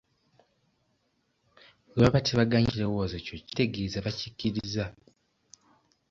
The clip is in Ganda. Bwe baba tebagaanye kirowoozo kyo, kitegeeza bakikkirizza.